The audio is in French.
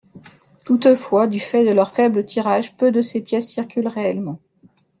Toutefois, du fait de leur faible tirage, peu de ces pièces circulent réellement.